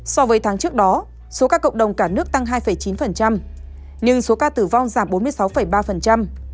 so với tháng trước đó số ca cộng đồng cả nước tăng hai chín nhưng số ca tử vong giảm bốn mươi sáu ba